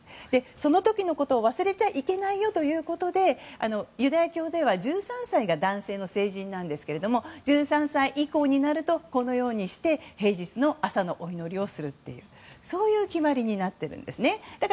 その時のことを忘れちゃいけないよということでユダヤ教では１３歳が男性の成人なんですけど１３歳以降になるとこのように平日の朝にお祈りをするという決まりになっているんです。